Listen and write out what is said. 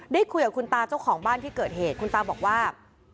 ได้คุยกับคุณตาเจ้าของบ้านที่เกิดเหตุคุณตาบอกว่า